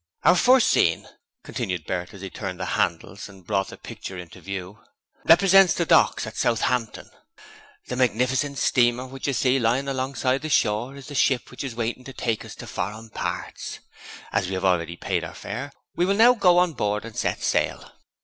'Our first scene,' continued Bert as he turned the handles and brought the picture into view, 'represents the docks at Southampton; the magnificent steamer which you see lying alongside the shore is the ship which is waiting to take us to foreign parts. As we have already paid our fare, we will now go on board and set sail.'